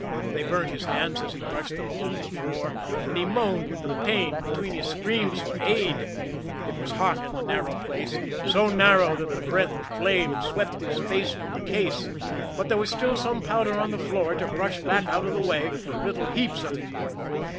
They burnt his hands as he brushed them along the floor, and he moaned with the pain between his screams for aid. It was hot in the narrow place, so narrow that the breath of flame swept his face from the case but there was still some powder on the floor to brush back out of the way, little heaps of it.